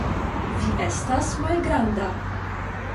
Vi estas malgranda.